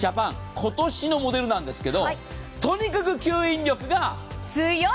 今年のモデルなんですけど、とにかく吸引力が強い！